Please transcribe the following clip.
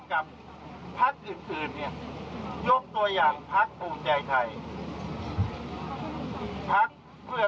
ยกตัวอย่างพักภูมิใจไทย